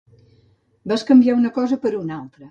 Bescanviar una cosa per una altra.